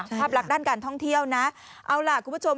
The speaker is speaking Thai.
ภาพลักษณ์ด้านการท่องเที่ยวนะเอาล่ะคุณผู้ชม